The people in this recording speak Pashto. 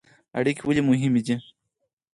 اړیکې ولې مهمې دي؟